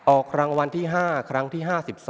ออกรางวัลที่๕ครั้งที่๕๒